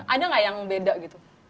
ada nggak yang beda gitu